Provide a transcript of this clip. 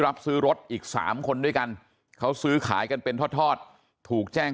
รับซื้อรถอีก๓คนด้วยกันเขาซื้อขายกันเป็นทอดถูกแจ้ง